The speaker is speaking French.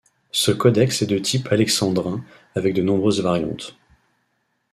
Ce codex est de type alexandrin avec de nombreuses variantes.